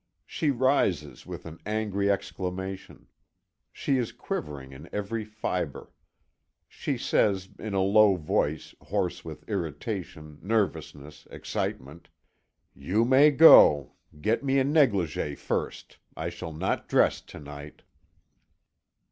She rises with an angry exclamation. She is quivering in every fibre. She says in a low voice, hoarse with irritation, nervousness, excitement: "You may go. Get me a negligée first. I shall not dress to night."